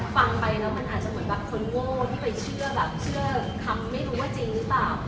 ฟังไปแล้วมันอาจจะเหมือนแบบคนโง่ที่ไปเชื่อแบบเชื่อคำไม่รู้ว่าจริงหรือเปล่า